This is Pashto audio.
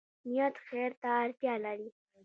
نیت خیر ته اړتیا لري